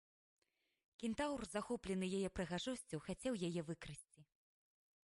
Кентаўр, захоплены яе прыгажосцю, хацеў яе выкрасці.